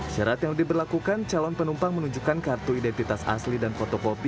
syarat yang diberlakukan calon penumpang menunjukkan kartu identitas asli dan fotokopi